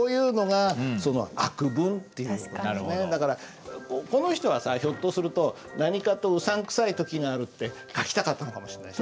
だからこの人はさひょっとすると「なにかと、うさん臭い時がある」って書きたかったのかもしれない。